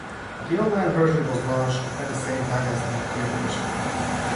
The online version was launched at the same time as the print edition.